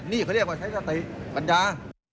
นี่เขาเรียกว่าใช้สติปัญญา